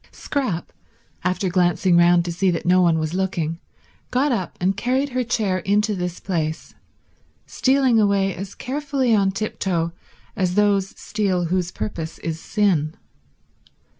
Scrap, after glancing round to see that no one was looking, got up and carried her chair into this place, stealing away as carefully on tiptoe as those steal whose purpose is sin.